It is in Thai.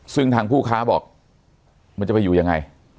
ซึ่งทางผู้ค้าบอกมันจะไปอยู่ยังไง